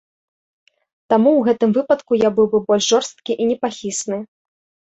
Таму ў гэтым выпадку я быў бы больш жорсткі і непахісны.